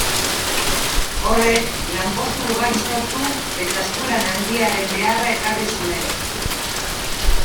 Horrek lanpostu ugari sortu eta eskulan handiaren beharra ekarri zuen.